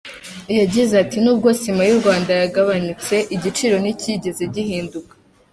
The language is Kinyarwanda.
Yagize ati “Nubwo sima y’u Rwanda yagabanutse, igiciro nticyigeze gihinduka.